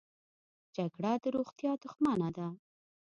جګړه د روغتیا دښمنه ده